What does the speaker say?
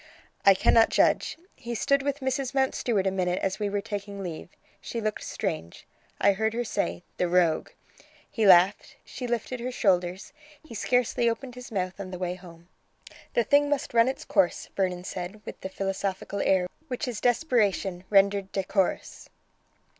"I cannot judge. He stood with Mrs. Mountstuart a minute as we were taking leave. She looked strange. I heard her say: 'The rogue!' He laughed. She lifted her shoulders. He scarcely opened his mouth on the way home." "The thing must run its course," Vernon said, with the philosophical air which is desperation rendered decorous.